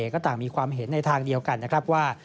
ก็ต่างมีความเห็นในทางเดียวกันนะครับว่า